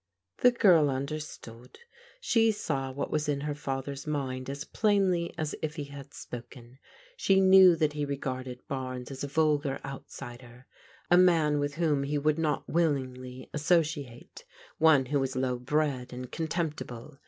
The girl imderstood. She saw what was in her fa ther's mind as plainly as if he had spoken. She knew that he regarded Barnes as a vulgar outsider, a man with whom he would not willingly associate, one who was low bred and contemptible.